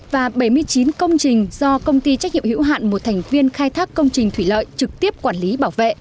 và bảy mươi chín công trình do công ty trách nhiệm hữu hạn một thành viên khai thác công trình thủy lợi trực tiếp quản lý bảo vệ